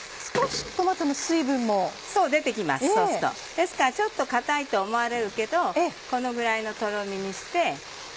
ですからちょっと固いと思われるけどこのぐらいのとろみにして。